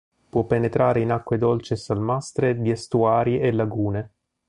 Può penetrare in acque dolci e salmastre di estuari e lagune.